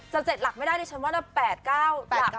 ๗หลักไม่ได้ดิฉันว่านะ๘๙หลัก